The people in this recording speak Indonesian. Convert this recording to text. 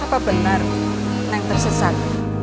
apa benar nenek tersesat